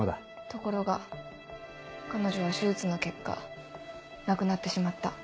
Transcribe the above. ところが彼女は手術の結果亡くなってしまった。